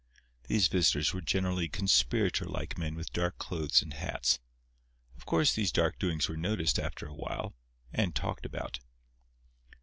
These visitors were generally conspirator like men with dark clothes and hats. Of course, these dark doings were noticed after a while, and talked about.